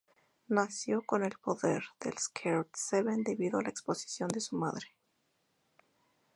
Nació con el poder del "Sacred Seven" debido a la exposición de su madre.